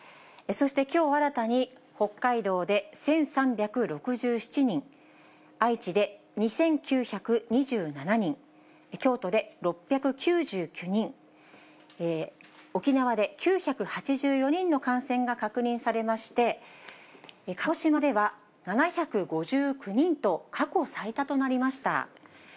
そしてきょう新たに北海道で１３６７人、愛知で２９２７人、京都で６９９人、沖縄で９８４人の感染が確認されまして、鹿児島では７５９人と、過去最多となりました。